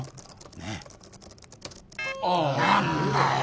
ねえああ何だよ